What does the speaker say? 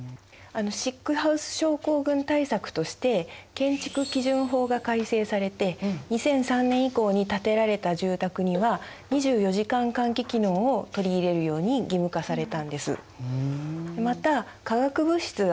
シックハウス症候群対策として建築基準法が改正されて２００３年以降に建てられた住宅には２４時間換気機能を取り入れるように義務化されたんです。